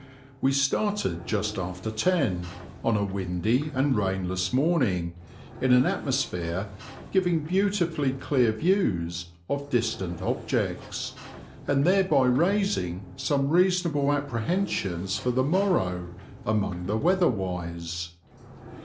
We started just after ten, on a windy and rainless morning, in an atmosphere giving beautifully clear views of distant objects, and thereby raising some reasonable apprehensions for the morrow among the weather wise.